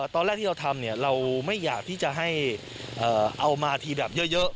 ตอนแรกที่เราทำเราไม่อยากที่จะให้เอามาทีแบบเยอะ